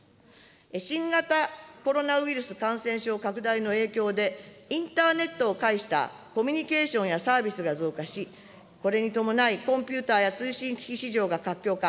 新型コロナウイルス感染症拡大の影響で、インターネットを介したコミュニケーションやサービスが増加し、これに伴い、コンピューターや通信機器市場が活況化。